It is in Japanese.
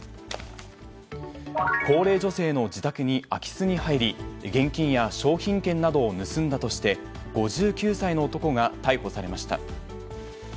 高齢女性の自宅に空き巣に入り、現金や商品券などを盗んだとして、５９歳の男が逮捕されました。